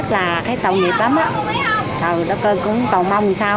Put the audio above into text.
làm rõ cái thông tin